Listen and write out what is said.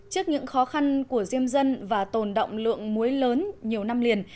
trước những khó khăn của diêm dân và tồn động lượng muối lớn nhiều năm liền